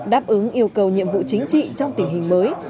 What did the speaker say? đáp ứng yêu cầu nhiệm vụ chính trị trong tình hình mới